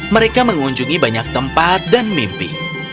mereka mengunjungi banyak tempat dan mimpi